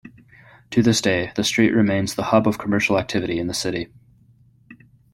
To this day the street remains the hub of commercial activity in the city.